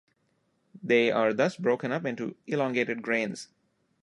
They are thus broken up into elongated grains.